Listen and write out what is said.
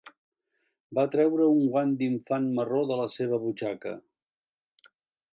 Va treure un guant d'infant marró de la seva butxaca.